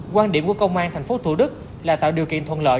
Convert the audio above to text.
quan điểm của công an thành phố thủ đức là tạo điều kiện thuận lợi